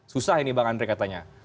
susah ini bang andre katanya